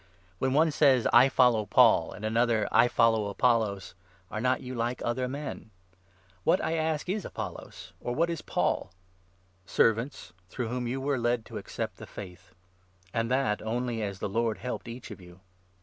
When one says 'I follow Paul,' and another 'I 4 follow Apollos,' are not you like other men ? What, I ask, is 5 Apollos ? or what is Paul ? Servants through whom you were led to accept the Faith ; and that only as the Lord helped each of you.